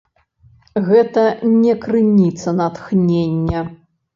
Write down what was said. Гэта не крыніца натхнення.